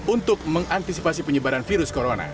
untuk mengantisipasi penyebaran virus corona